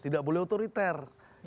tidak boleh otoriter